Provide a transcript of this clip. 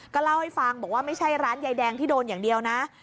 ก็เล่าให้ฟังบอกว่าไม่ใช่ร้านยายแดงที่โดนอย่างเดียวนะ